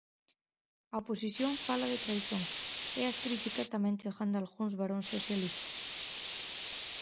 A oposición fala de traizón e as críticas tamén chegan dalgúns baróns socialistas.